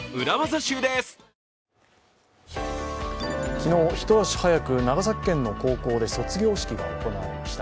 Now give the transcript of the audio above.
昨日、一足早く長崎県の高校で卒業式が行われました。